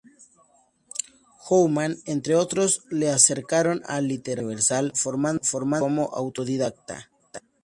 Hoffmann, entre otros, le acercaron a la literatura universal, formándose como autodidacta.